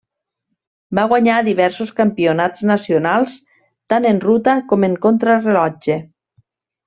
Va guanyar diversos campionats nacionals tant en ruta com en contrarellotge.